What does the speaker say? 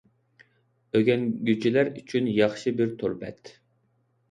ئۆگەنگۈچىلەر ئۈچۈن ياخشى بىر تور بەت.